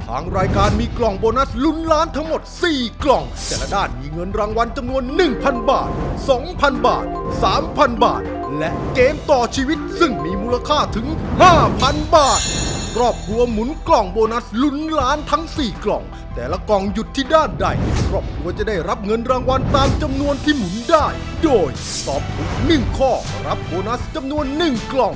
ที่หมุนได้โดยตอบถูกหนึ่งข้อรับโบนัสจำนวนหนึ่งกล่อง